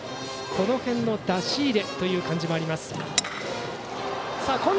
この辺の出し入れという感じもあります。